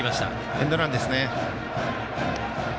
エンドランですね。